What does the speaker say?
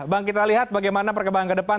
bang kita lihat bagaimana perkembangan ke depan